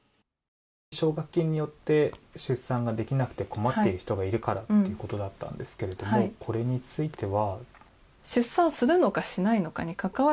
奨学金によって出産できなくて困っている人がいるからということだったんですがこれについては。